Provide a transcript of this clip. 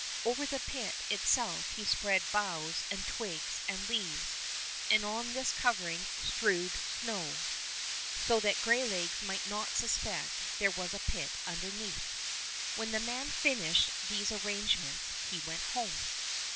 Over the pit itself he spread boughs and twigs and leaves, and on this covering strewed snow, so that Greylegs might not suspect there was a pit underneath. When the man finished these arrange ments he went home.